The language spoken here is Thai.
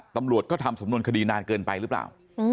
ตำรวจก็ทำสำนวนคดีนานเกินไปหรือเปล่า